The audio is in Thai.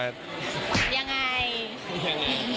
ยังไง